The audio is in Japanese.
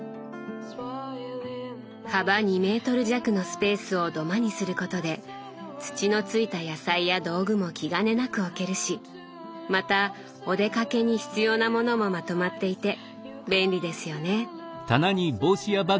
幅２メートル弱のスペースを土間にすることで土のついた野菜や道具も気兼ねなく置けるしまたお出かけに必要なものもまとまっていて便利ですよね。